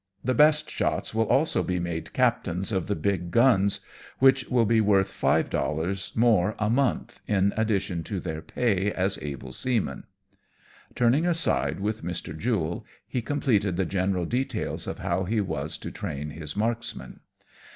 The best shots will also be made captains of the big guns, which will be worth five dollars more a month, in addition to their pay as 8 AMONG TYPHOONS AND PIRATE CRAFT. able seamen/' Turning aside with Mr. Jule, he com pleted the general details of how he was to train his marksmen.